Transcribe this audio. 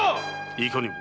いかにも。